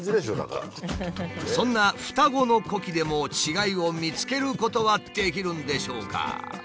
そんな双子の呼気でも違いを見つけることはできるんでしょうか？